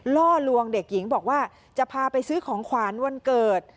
ล่อลวงเด็กหญิงบอกว่าจะพาไปซื้อของขวานวันเกิด